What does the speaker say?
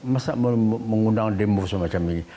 masa mengundang demo semacam ini